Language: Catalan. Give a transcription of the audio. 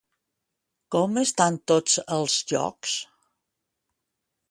Com estan tots els llocs?